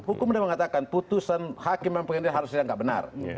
hukum sudah mengatakan putusan hakim dan pengadilan harus tidak benar